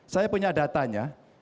saya punya datanya